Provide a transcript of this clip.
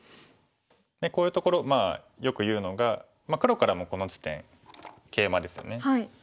こういうところよく言うのが黒からもこの地点ケイマですよね。